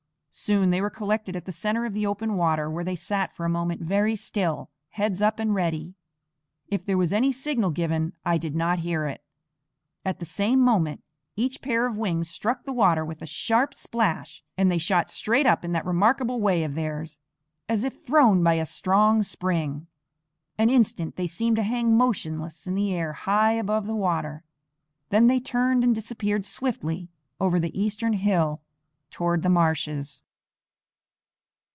Soon they were collected at the center of the open water, where they sat for a moment very still, heads up, and ready. If there was any signal given I did not hear it. At the same moment each pair of wings struck the water with a sharp splash, and they shot straight up in that remarkable way of theirs, as if thrown by a strong spring. An instant they seemed to hang motionless in the air high above the water, then they turned and disappeared swiftly over the eastern hill toward the marshes.